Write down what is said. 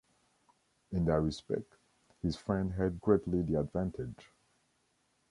In that respect his friend had greatly the advantage.